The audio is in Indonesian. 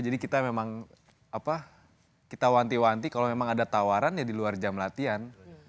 jadi kita memang apa kita wanti wanti kalau memang ada tawaran ya di luar jam latihan